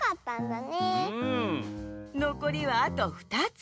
のこりはあと２つ。